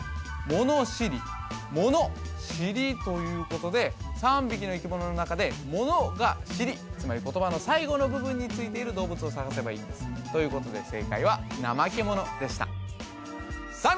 物知りモノシリということで３匹の生き物の中でモノがシリつまり言葉の最後の部分についている動物を探せばいいんですということで正解はナマケモノでしたさあ